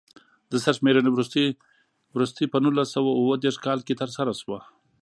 د سرشمېرنې وروستۍ په نولس سوه اووه دېرش کال کې ترسره شوه.